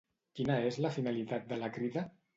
Quina és la finalitat de la Crida?